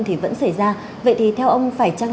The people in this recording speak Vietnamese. thì vẫn xảy ra vậy thì theo ông phải chăng